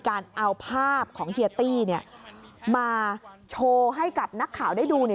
การเอาภาพของเฮียตี้เนี่ยมาโชว์ให้กับนักข่าวได้ดูเนี่ย